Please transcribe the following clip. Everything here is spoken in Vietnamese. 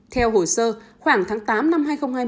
theo hồ sơ khoảng tháng tám năm hai nghìn hai mươi